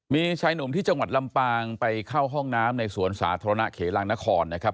มีชายหนุ่มที่จังหวัดลำปางไปเข้าห้องน้ำในสวนสาธารณะเขลางนครนะครับ